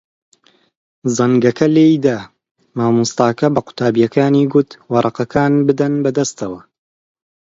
زەنگەکە لێی دا. مامۆستاکە بە قوتابییەکانی گوت وەرەقەکان بدەن بەدەستەوە.